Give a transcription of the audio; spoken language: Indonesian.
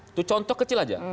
itu contoh kecil saja